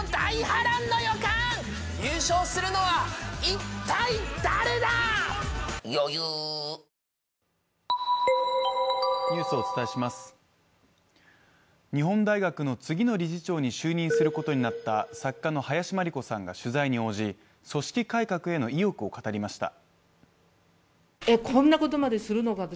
僕いいお土産持って帰れます日本大学の次の理事長に就任することになった作家の林真理子さんが取材に応じ組織改革への意欲を語りました。